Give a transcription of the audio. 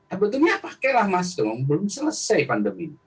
akhirnya pakailah masker belum selesai pandemi